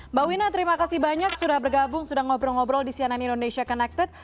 mbak wina terima kasih banyak sudah bergabung sudah ngobrol ngobrol di cnn indonesia connected